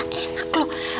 ga enak loh